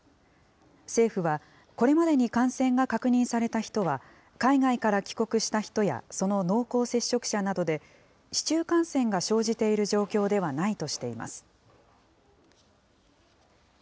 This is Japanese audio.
政府は、これまでに感染が確認された人は、海外から帰国した人や、その濃厚接触者などで、市中感染が生じている状況ではないとしています。